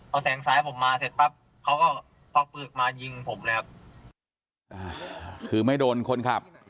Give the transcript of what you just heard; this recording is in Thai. เอาแสงซ้ายผมมาเสร็จปั๊บเขาก็ควักปืนมายิงผมเลยครับอ่าคือไม่โดนคนขับ